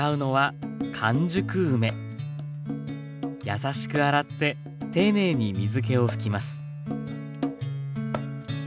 やさしく洗って丁寧に水けを拭きます。